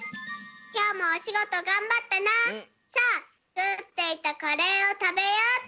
「きょうもおしごとがんばったなさあつくっていたカレーをたべようっと。